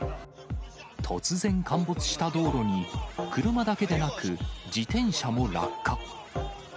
突然陥没した道路に、車だけでなく、自転車も落下。